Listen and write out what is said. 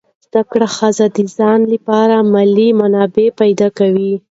زده کړه ښځه د ځان لپاره مالي منابع پیدا کوي.